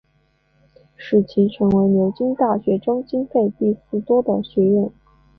使其成为牛津大学中经费第四多的学院。